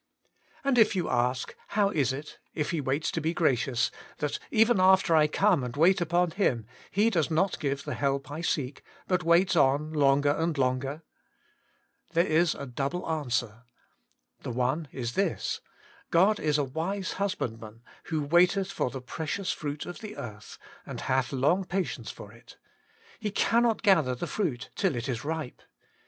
And if you ask, How is it, if He waits to be gracious, that even after I come and wait upon Him, He does not give the help I seek, but waits on longer and longer 1 There is a double answer. The one is this : God is a wise hus bandman, *who waiteth for the precious fruit of the earth, and hath long patience for it* Ha WAITING ON GOBI 99 cannot gather the fruit till it is ripe.